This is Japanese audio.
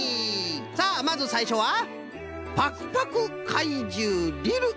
さあまずさいしょは「パクパク怪獣リル」